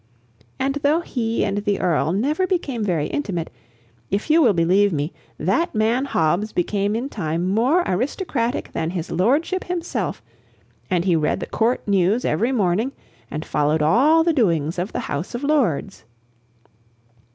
And though he and the Earl never became very intimate, if you will believe me, that man Hobbs became in time more aristocratic than his lordship himself, and he read the Court news every morning, and followed all the doings of the House of Lords!